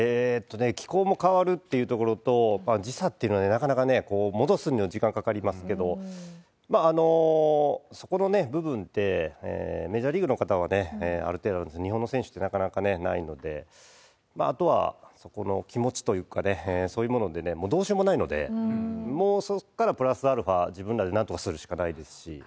気候も変わるっていうところと、時差っていうのはね、なかなか戻すのも時間かかりますけど、そこの部分って、メジャーリーグの方はね、ある程度、日本の選手ってなかなかないので、あとはそこの気持ちというかね、そういうのはどうしようもないので、プラスアルファー自分らでなんとかするしかないですし。